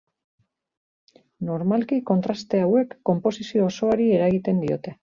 Normalki kontraste hauek konposizio osoari eragiten diote.